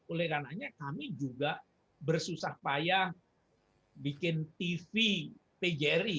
oleh karena kami juga bersusah payah bikin tv pgri